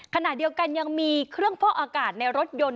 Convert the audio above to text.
ขณะเดียวกันยังมีเครื่องฟอกอากาศในรถยนต์